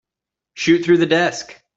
Shoot through the desk.